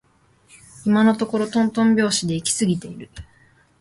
今のところとんとん拍子で行き過ぎている